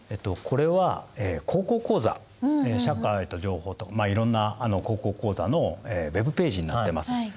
これは「高校講座社会と情報」といろんな「高校講座」のウェブページになってます。